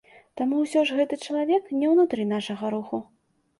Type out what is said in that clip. Таму ўсё ж гэта чалавек не ўнутры нашага руху.